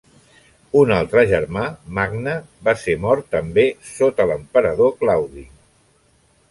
Un altre germà, Magne, va ser mort també sota l'emperador Claudi.